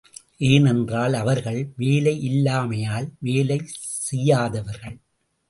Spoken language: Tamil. ஏனென்றால் அவர்கள், வேலை இல்லாமையால் வேலை செய்யாதவர்கள்.